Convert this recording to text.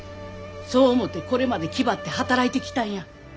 そう思てこれまで気張って働いてきたんや。